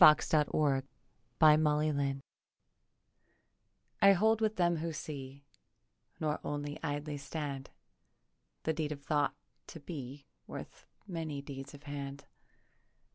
DESERT THOUGHTS I hold with them who see Nor only idly stand The deed of thought to be Worth many deeds of hand.